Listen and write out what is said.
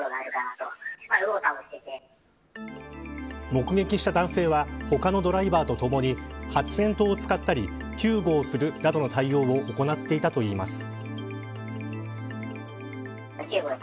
目撃した男性は他のドライバーとともに発炎筒を使ったり救護をするなどの対応を行っていたといいます。